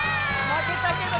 まけたけど。